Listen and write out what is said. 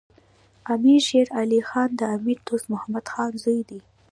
امیر شیر علی خان د امیر دوست محمد خان زوی دی.